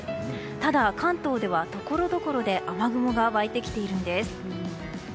ただ、関東ではところどころで雨雲が湧いてきているんです。